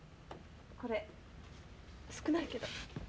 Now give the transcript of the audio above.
これ少ないけど。